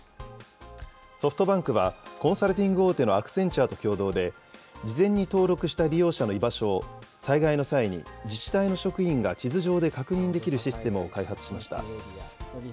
ソフトバンクはコンサルティング大手のアクセンチュアと共同で、事前に登録した利用者の居場所を災害の際に自治体の職員が地図上で確認できるシステムを開発しました。